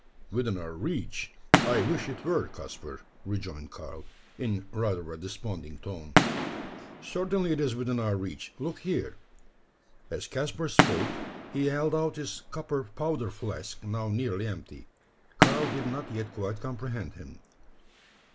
"Within our reach? I wish it were, Caspar," rejoined Karl, in rather a desponding tone. "Certainly it is within our reach. Look here!" As Caspar spoke, he held out his copper powder flask, now nearly empty. Karl did not yet quite comprehend him.